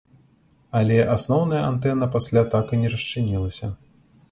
Але асноўная антэна пасля так і не расчынілася.